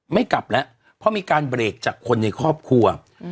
ไม่กลับแล้วเพราะมีการเบรกจากคนในครอบครัว